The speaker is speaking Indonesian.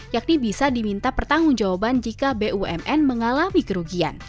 yakni bisa diminta pertanggung jawaban jika bumn mengalami kerugian